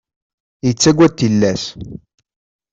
Yettagad tillas.